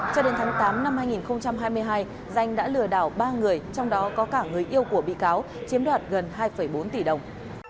cho đến tháng tám năm hai nghìn hai mươi hai danh đã lừa đảo ba người trong đó có cả người yêu của bị cáo chiếm đoạt gần hai bốn tỷ đồng